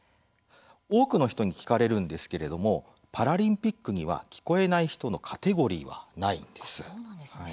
多くの人に聞かれるんですけれどもパラリンピックには聞こえない人のカテゴリーはないんです。